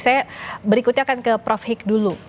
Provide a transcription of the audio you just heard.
saya berikutnya akan ke prof hik dulu